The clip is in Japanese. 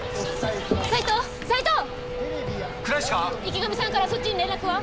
池上さんからそっちに連絡は？